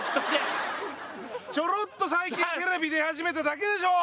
ちょろっと最近テレビ出始めただけでしょ！